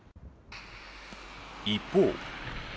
一方。